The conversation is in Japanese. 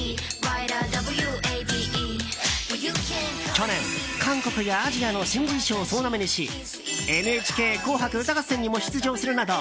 去年、韓国やアジアの新人賞を総なめにし「ＮＨＫ紅白歌合戦」にも出場するなど